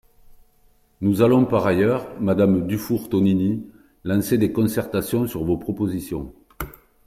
Nous allons par ailleurs, madame Dufour-Tonini, lancer des concertations sur vos propositions.